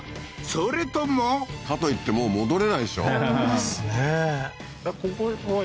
それともかといってもう戻れないでしょですね